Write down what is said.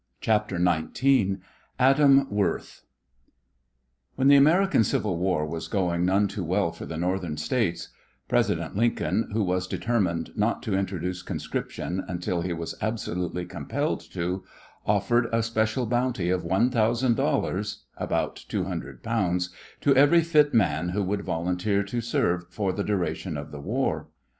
CHAPTER XIX ADAM WORTH When the American Civil War was going none too well for the Northern States, President Lincoln, who was determined not to introduce conscription until he was absolutely compelled to, offered a special bounty of one thousand dollars (about £200) to every fit man who would volunteer to serve "for the duration of the war."